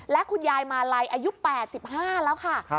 และคุณยายมาลัยอายุ๘๕แล้วค่ะ